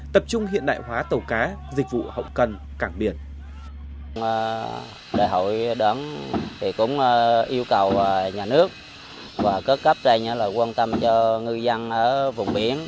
tập trung hiện đại hóa tàu cá dịch vụ hậu cần cảng biển